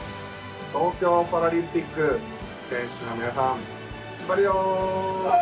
東京パラリンピック選手の皆さん、ちばりよー！